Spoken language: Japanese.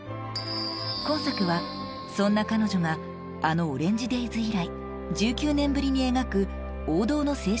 今作はそんな彼女があの「オレンジデイズ」以来１９年ぶりに描く王道の青春